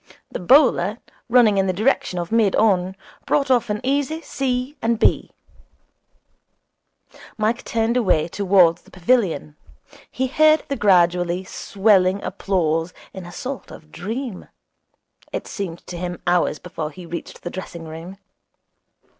The bowler, running in the direction of mid on, brought off an easy c. and b. Mike turned away towards the pavilion. He heard the gradually swelling applause in a sort of dream. It seemed to him hours before he reached the dressing room.